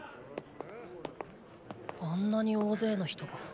あんなに大勢の人が。